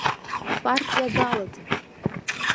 Партиа далаӡам.